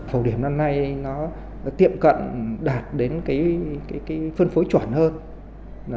phổ điểm năm nay nó tiệm cận đạt đến cái phân phối chuẩn hơn